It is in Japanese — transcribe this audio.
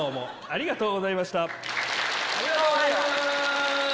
ありがとうございます。